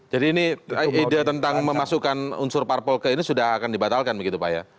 jadi ini ide tentang memasukkan unsur parpol ke ini sudah akan dibatalkan begitu pak ya